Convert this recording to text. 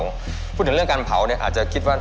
พูดถึงเรื่องการเผาเนี่ยอาจจะคิดว่า